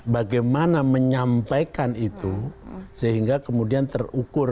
bagaimana menyampaikan itu sehingga kemudian terukur